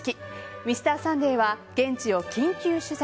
「Ｍｒ．サンデー」は現地を緊急取材。